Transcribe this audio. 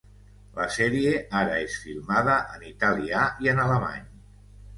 La sèrie ara és filmada en Italià i en alemany.